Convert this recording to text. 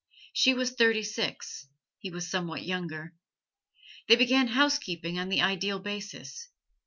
She was thirty six, he was somewhat younger. They began housekeeping on the ideal basis.